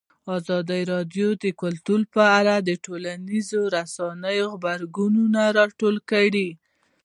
ازادي راډیو د کلتور په اړه د ټولنیزو رسنیو غبرګونونه راټول کړي.